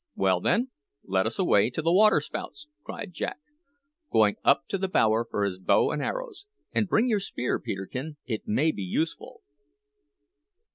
"Well, then, let us away to the waterspouts," cried Jack, going up to the bower for his bow and arrows. "And bring your spear, Peterkin; it may be useful."